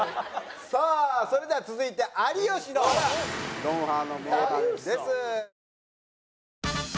さあそれでは続いて有吉の『ロンハー』の名場面です。